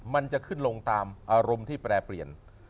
มันจะขึ้นลงตามอารมณ์ที่แปรเปลี่ยน